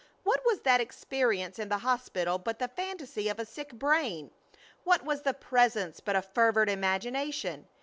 What was that experience in the hospital but the phantasy of a sick brain? What was the Presence but a fevered imagination?